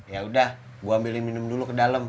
yaudah gue ambilin minum dulu ke dalem